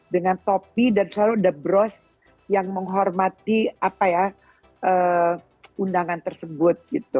dengan topi dan selalu ada bros yang menghormati apa ya undangan tersebut gitu